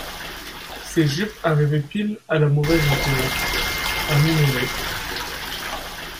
Ses jupes arrivaient pile à la mauvaise hauteur, à mi-mollet